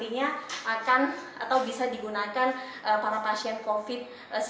dan ini juga cukup luas yang nantinya akan atau bisa digunakan para pasien covid sembilan belas